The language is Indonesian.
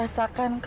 au ada kata toh